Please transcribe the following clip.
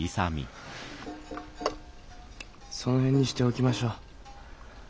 その辺にしておきましょう。